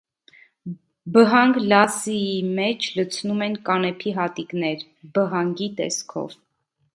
Բհանգ լասսիի մեջ լցնում են կանեփի հատիկներ, բհանգի տեսքով։